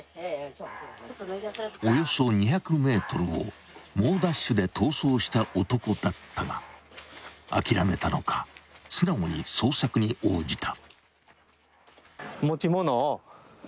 ［およそ２００ｍを猛ダッシュで逃走した男だったが諦めたのか素直に捜索に応じた］